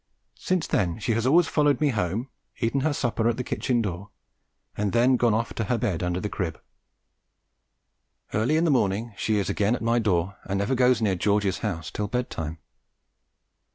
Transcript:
Since then she has always followed me home, eaten her supper at the kitchen door, and then gone off to her bed under the crib. Early in the morning she is again at my door and never goes near George's house till bed time.